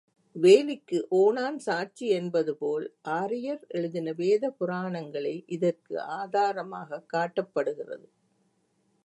வேலிக்கு ஓணான் சாட்சி என்பதுபோல் ஆரியர் எழுதின வேத புராணங்களே இதற்கு ஆதாரமாகக் காட்டப்படுகிறது.